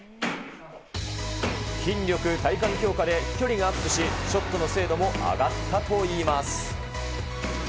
筋力、体幹強化で、飛距離がアップし、ショットの精度も上がったといいます。